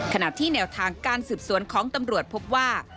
ขณะที่แนวทางการสืบสวนของตำรวจพบว่า